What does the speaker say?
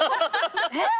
えっ？